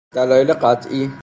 دلایل قطعی